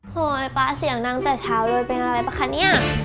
โหยป๊าเสียงดังแต่เช้าเลยเป็นอะไรป่ะคะเนี่ย